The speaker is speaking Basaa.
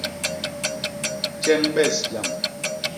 Tjeñbes jam.